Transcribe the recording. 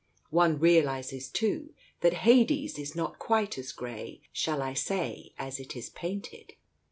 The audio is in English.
One realizes, too, that Hades is not quite as grey, shall I say, as it is painted